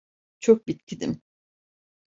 Çok bitkinim.